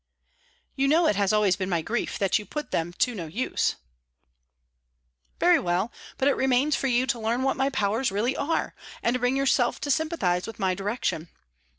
"You know it has always been my grief that you put them to no use." "Very well. But it remains for you to learn what my powers really are, and to bring yourself to sympathize with my direction.